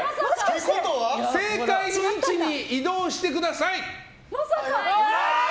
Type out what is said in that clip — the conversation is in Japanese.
正解の位置に移動してください。